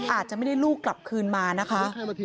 อาจจะไม่ได้ลูกกลับคืนมานะคะ